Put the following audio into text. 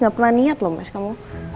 gak pernah niat loh mas kamu